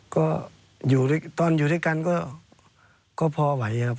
ก็อยู่ตอนอยู่ด้วยกันก็พอไหวครับ